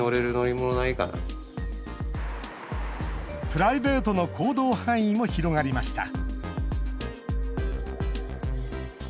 プライベートの行動範囲も広がりました。